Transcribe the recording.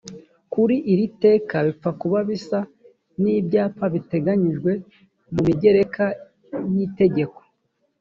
ku iri teka bipfa kuba bisa n ibyapa biteganijwe mu migereka y itegeko